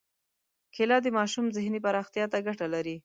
کېله د ماشوم ذهني پراختیا ته ګټه لري.